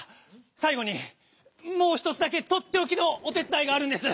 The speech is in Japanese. さいごにもう一つだけとっておきのおてつだいがあるんです。